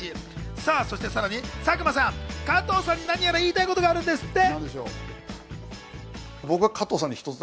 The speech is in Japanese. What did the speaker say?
さらに佐久間さん、加藤さんに何やら言いたいことがあるんですって！